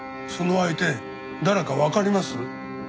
その相手誰かわかります？